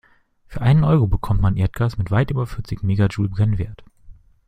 Für einen Euro bekommt man Erdgas mit weit über vierzig Megajoule Brennwert.